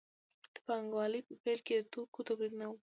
د پانګوالۍ په پیل کې د توکو تولید نه و.